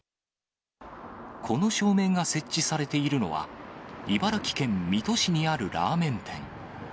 この照明が設置されているのは、茨城県水戸市にあるラーメン店。